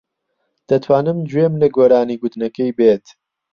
دەتوانم گوێم لە گۆرانی گوتنەکەی بێت.